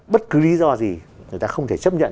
bất cứ lý do gì người ta không thể chấp nhận